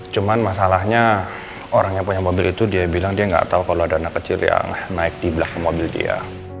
cuman masalahnya orang yang punya mobil itu dia bilang disse gamau taro kalau ada anak kecil yang naik dibelakang mobil dia